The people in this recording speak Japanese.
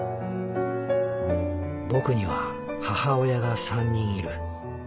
僕には母親が３人いる。